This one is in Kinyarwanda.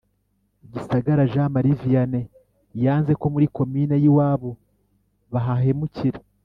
Gisagara Jean Marie Vianney yanze ko muri Komini yiwabo babahemukira